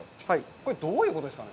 これ、どういうことですかね？